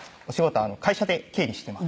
会社で経理してます